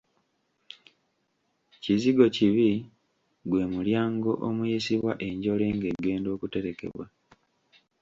Kizigokibi gwe mulyango omuyisibwa enjole ng'egenda okuterekebwa.